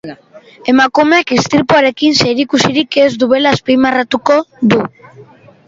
Emakumeak istripuarekin zerikusirik ez duela azpimarratuko du.